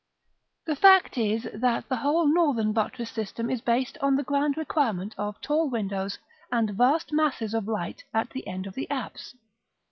The fact is, that the whole northern buttress system is based on the grand requirement of tall windows and vast masses of light at the end of the apse.